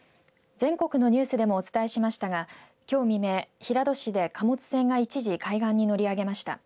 全国のニュースでもお伝えしましたがきょう未明、平戸市で貨物船が一時、海岸に乗り上げました。